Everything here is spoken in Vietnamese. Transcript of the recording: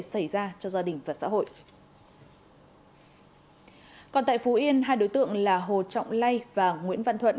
xảy ra cho gia đình và xã hội còn tại phú yên hai đối tượng là hồ trọng lây và nguyễn văn thuận